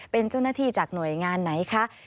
เป็นเจ้าหน้าที่จากหน่วยงานไหนคะ